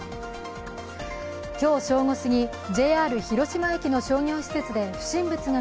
今日正午すぎＪＲ広島駅の商業施設で不審物がん